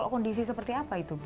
kondisi seperti apa itu bu